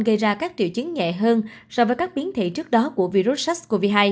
gây ra các triệu chứng nhẹ hơn so với các biến thể trước đó của virus sars cov hai